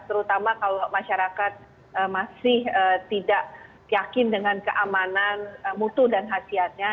terutama kalau masyarakat masih tidak yakin dengan keamanan mutu dan khasiatnya